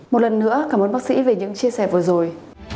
một lần nữa cảm ơn bác sĩ về những chia sẻ vừa rồi